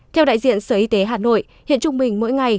theo đại diện sở y tế hà nội hiện trung bình mỗi ngày